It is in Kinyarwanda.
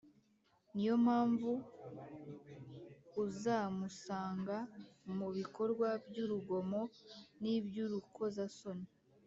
ni yo mpamvu uzamusanga mu bikorwa by’urugomo n’iby’urukozasoni